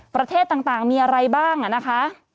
ประเทศต่างมีอะไรบ้างนะคะ